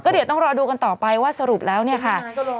ก็เดี๋ยวก็ต้องรอดูกันต่อไปว่าสรุปแล้วเนี่ยค่ะก็คือไหนก็รอ